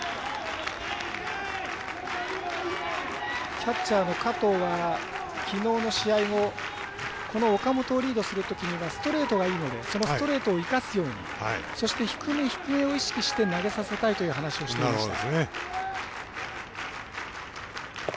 キャッチャーの加藤はきのうの試合後岡本をリードするときにはストレートがいいのでそのストレートを生かすようにそして、低め、低めを意識して投げさせたいという話をしていました。